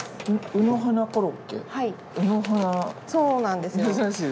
そうなんですよ。